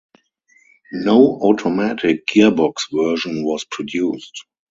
No automatic gearbox version was produced.